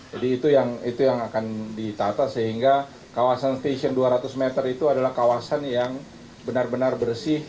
jadi itu yang akan ditata sehingga kawasan stasiun dua ratus meter itu adalah kawasan yang benar benar bersih